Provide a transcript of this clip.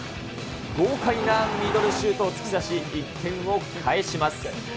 豪快なミドルシュートを突き刺し、１点を返します。